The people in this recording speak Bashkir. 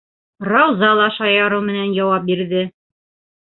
Рауза ла шаярыу менән яуап бирҙе.